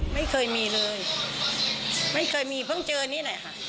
ไม่เคยมีเลยไม่เคยมีเพิ่งเจอนี่แหละค่ะ